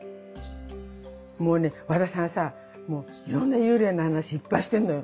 もうね和田さんさいろんな幽霊の話いっぱい知ってんのよ。